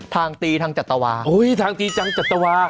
สองชั่วโมงครับ